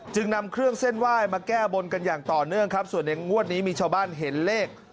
นำเครื่องเส้นไหว้มาแก้บนกันอย่างต่อเนื่องครับส่วนในงวดนี้มีชาวบ้านเห็นเลข